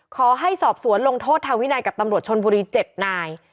ขอให้สอบสวนลงโทษทางวินัยกับตำรวจชนบุรี๗นาย